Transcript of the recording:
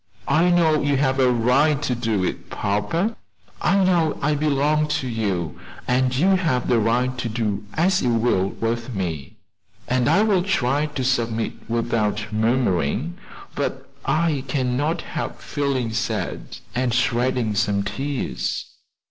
"I know you have a right to do it, papa; I know I belong to you, and you have a right to do as you will with me, and I will try to submit without murmuring, but I cannot help feeling sad, and shedding some tears."